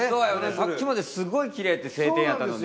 さっきまですごいきれいで晴天やったのに。